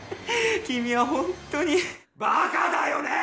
君はホントにバカだよね！